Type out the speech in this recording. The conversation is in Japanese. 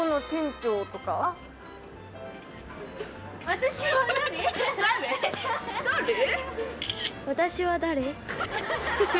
「私は誰？」。